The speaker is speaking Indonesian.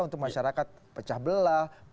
untuk masyarakat pecah belah